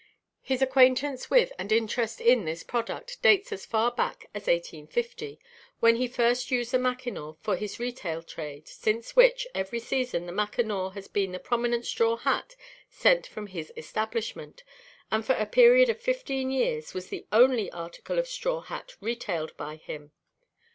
His acquaintance with and interest in this product dates as far back as 1850, when he first used the Mackinaw for his retail trade, since which, every season the "Mackinaw" has been the prominent straw hat sent from his establishment, and for a period of fifteen years was the only article of straw hat retailed by him.